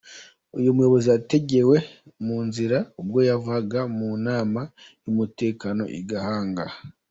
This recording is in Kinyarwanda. Uyu muyobozi yategewe mu nzira ubwo yavaga mu nama y’umutekano I Gihanga.